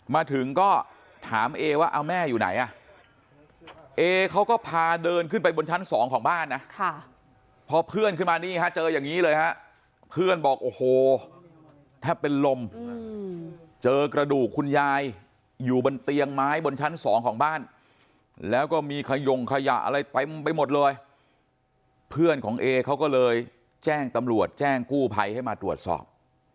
มาถึงก็ถามเอว่าเอาแม่อยู่ไหนอ่ะเอเขาก็พาเดินขึ้นไปบนชั้นสองของบ้านนะพอเพื่อนขึ้นมานี่ฮะเจออย่างนี้เลยฮะเพื่อนบอกโอ้โหแทบเป็นลมเจอกระดูกคุณยายอยู่บนเตียงไม้บนชั้นสองของบ้านแล้วก็มีขยงขยะอะไรเต็มไปหมดเลยเพื่อนของเอเขาก็เลยแจ้งตำรวจแจ้งกู้ภัยให้มาตรวจสอบ